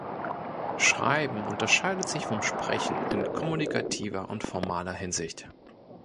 Schreiben unterscheidet sich vom Sprechen in kommunikativer und formaler Hinsicht.